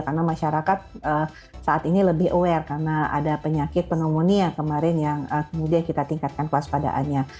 karena masyarakat saat ini lebih aware karena ada penyakit pneumonia kemarin yang kemudian kita tingkatkan kewaspadaannya